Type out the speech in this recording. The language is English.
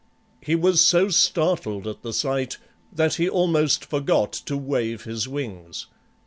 He was so startled at the sight that he almost forgot to wave his wings.